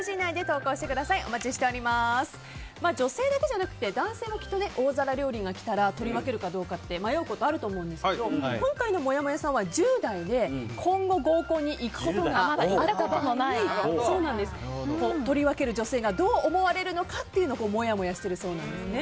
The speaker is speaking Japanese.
女性だけじゃなく男性もきっと大皿料理が来たら取り分けるかどうか迷うことがあると思いますが今回のもやもやさんは、１０代で今後合コンに行くことがあった場合に取り分ける女性がどう思われるのかというのをもやもやしているそうなんです。